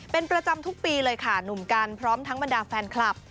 เป็นประจำทุกปีเลยค่ะหนุ่มกันพร้อมทั้งบรรดาแฟนคลับ